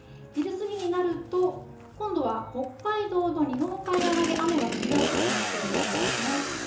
昼過ぎになると、今度は北海道の日本海側で雨が降りやすくなっているんですね。